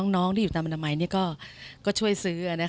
น้องที่อยู่ตามอนามัยก็ช่วยซื้อ